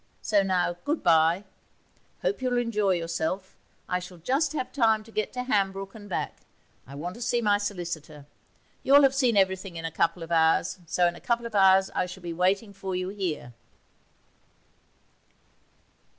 So now goodbye; hope you'll enjoy yourself. I shall have just time to get to Hambrook and back; I want to see my solicitor. You'll have seen everything in a couple of hours, so in a couple of hours I shall be waiting for you here.'